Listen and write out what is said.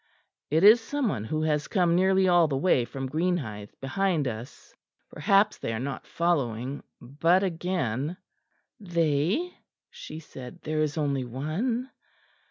"It is some one who has come nearly all the way from Greenhithe behind us. Perhaps they are not following but again " "They?" she said; "there is only one."